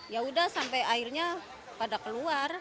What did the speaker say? yaudah sampai airnya pada keluar